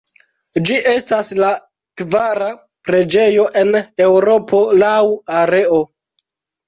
Ĝi estas la kvara preĝejo en Eŭropo laŭ areo.